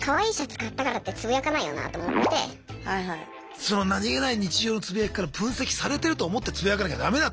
その何気ない日常のつぶやきから分析されてると思ってつぶやかなきゃダメだと。